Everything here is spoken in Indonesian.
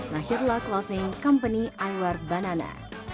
lahirlah clothing company i wear banana